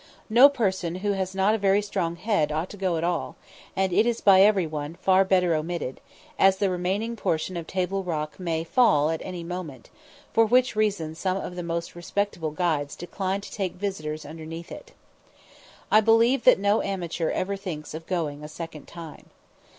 No person who has not a very strong head ought to go at all, and it is by every one far better omitted, as the remaining portion of Table Rock may fall at any moment, for which reason some of the most respectable guides decline to take visitors underneath it. I believe that no amateur ever thinks of going a second time.